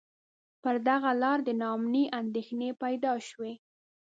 پر دغه لار د نا امنۍ اندېښنې پیدا شوې.